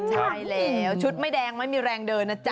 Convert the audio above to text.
ใช่แล้วชุดไม่แดงไม่มีแรงเดินนะจ๊